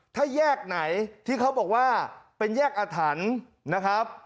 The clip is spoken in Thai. ถ้าแยกไหนที่เขาบอกว่าเป็นแยกอาถรรพ์นะครับ